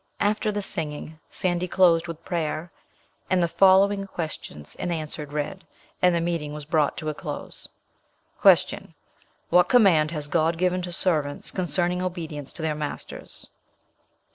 After the singing, Sandy closed with prayer, and the following questions and answers read, and the meeting was brought to a close. "Q. What command has God given to servants concerning obedience to their masters?